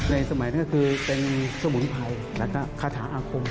สมัยนั้นคือเป็นสมุนไพรแล้วก็คาถาอาคม